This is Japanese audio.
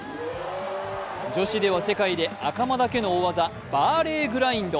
女子では世界で赤間だけの大技バーレーグラインド。